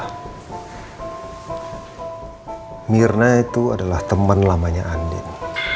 karena mirna itu adalah teman lamanya andin